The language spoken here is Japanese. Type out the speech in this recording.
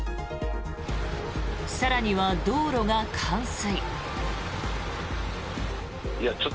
更には、道路が冠水。